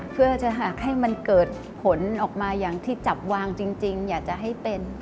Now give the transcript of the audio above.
เพื่อจะหากให้มันเกิดผลออกมาอย่างที่จับวางจริงอยากจะให้เป็น